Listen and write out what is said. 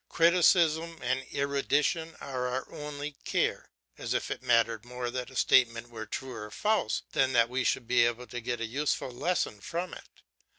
Criticism and erudition are our only care; as if it mattered more that a statement were true or false than that we should be able to get a useful lesson from it.